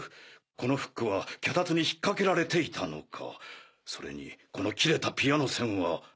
このフックは脚立に引っかけられていたのかそれにこの切れたピアノ線は？